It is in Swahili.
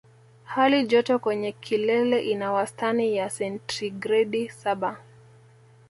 Hali joto kwenye kilele ina wastani ya sentigredi saba